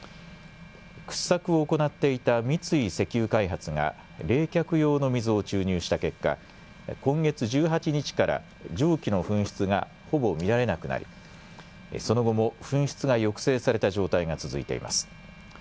掘削を行っていた三井石油開発が冷却用の水を注入した結果、今月１８日から蒸気の噴出がほぼ見られなくなりその後も噴出が抑制された状態が続いています。